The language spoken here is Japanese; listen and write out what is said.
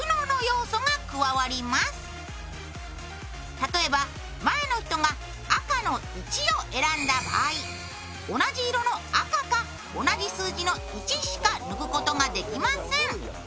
例えば前の人が赤の１を選んだ場合、同じ色の赤か同じ数字の１しか抜くことができません。